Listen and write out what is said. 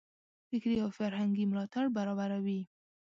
فکري او فرهنګي ملاتړ برابروي.